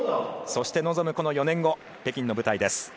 そして臨む４年後北京の舞台です。